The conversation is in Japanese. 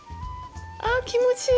あっ気持ちいい！